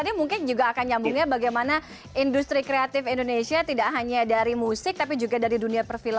ini mungkin juga akan nyambungnya bagaimana industri kreatif indonesia tidak hanya dari musik tapi juga dari dunia perfilman